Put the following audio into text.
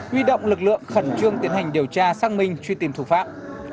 huy động lực lượng khẩn trương tiến hành điều tra xác minh truy tìm thủ phạm